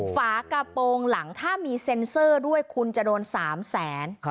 ฝากระโปรงหลังถ้ามีเซ็นเซอร์ด้วยคุณจะโดน๓แสน